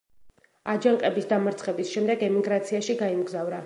აჯანყების დამარცხების შემდეგ ემიგრაციაში გაემგზავრა.